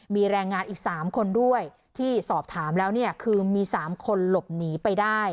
มีแรงงานอีก๓คนด้วยที่สอบถามแล้วเนี่ยคือมี๓คนหลบหนีไปได้